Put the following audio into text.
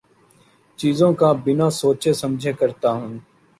چیزوں کا بنا سوچے سمجھے کرتا ہوں